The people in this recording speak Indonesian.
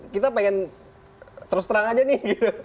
kita pengen terus terang aja nih